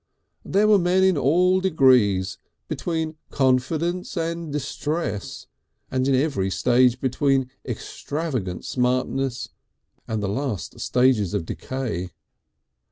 There were men in all degrees between confidence and distress, and in every stage between extravagant smartness and the last stages of decay.